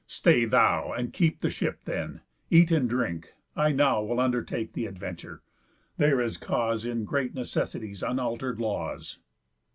Stay thou, And keep the ship then, eat and drink; I now Will undertake th' adventure; there is cause In great Necessity's unalter'd laws.